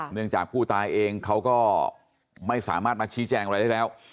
เนื่องจากผู้ตายเองเขาก็ไม่สามารถมาชี้แจงอะไรได้แล้ว